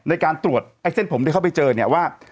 ในการตรวจไอ้เส้นผมที่เขาไปเจอเนี่ยว่า